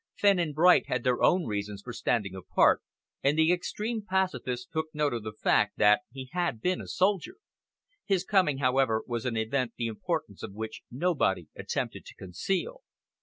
Fenn and Bright had their own reasons for standing apart, and the extreme pacifists took note of the fact that he had been a soldier. His coming, however, was an event the importance of which nobody attempted to conceal.